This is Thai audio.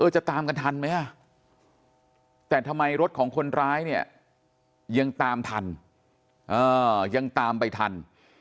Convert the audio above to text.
จะตามกันทันไหมแต่ทำไมรถของคนร้ายเนี่ยยังตามทันยังตามไปทัน